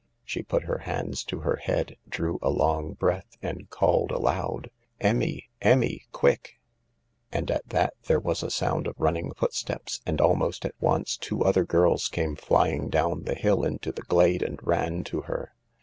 She put her hands to her head, drew a long breath, and called aloud : "Emmy, Emmy, quick I " And at that there was a sound of running footsteps, and almost at once two other girls came flying down the hill into the glade and ran to her.